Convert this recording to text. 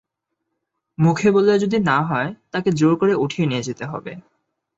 মুখে বললে যদি না-হয়, তাঁকে জোর করে উঠিয়ে নিয়ে যেতে হবে।